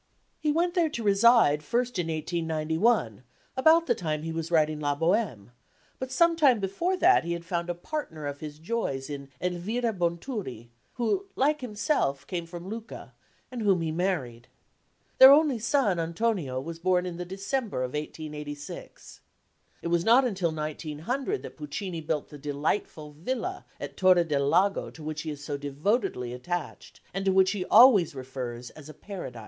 He went there to reside first in 1891, about the time he was writing La Bohème; but some time before that he had found a partner of his joys in Elvira Bonturi, who, like himself, came from Lucca, and whom he married. Their only son, Antonio, was born in the December of 1886. It was not until 1900 that Puccini built the delightful villa at Torre del Lago to which he is so devotedly attached, and to which he always refers as a Paradise.